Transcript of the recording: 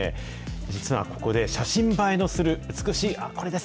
実はここで、写真映えのする美しい、あっ、これです。